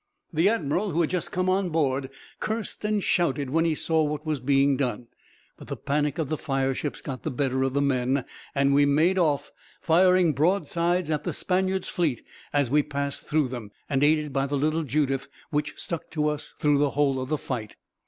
"The admiral, who had just come on board, cursed and shouted when he saw what was being done; but the panic of the fire ships got the better of the men, and we made off, firing broadsides at the Spaniards' fleet as we passed through them; and aided by the little Judith, which stuck to us through the whole of the fight.